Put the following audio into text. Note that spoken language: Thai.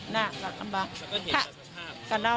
แล้วก็เห็นตัวสังภาพ